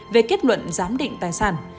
về kết luận giám định tài sản